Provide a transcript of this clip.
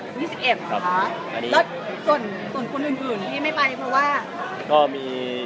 ก็มีติดซ้อมที่บุรีลำครับแล้วเลยมาได้ไป